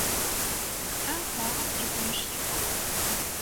Un phare est un chiffre.